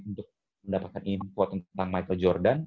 untuk mendapatkan info tentang michael jordan